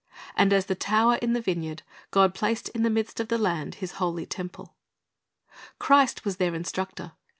And as the tower in the vineyard, God placed in the midst of the land His holy temple. Christ was their instructor.